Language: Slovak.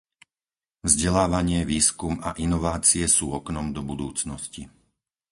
Vzdelávanie, výskum a inovácie sú oknom do budúcnosti.